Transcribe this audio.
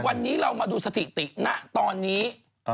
วันนี้เรามาดูสถิติณตอนนี้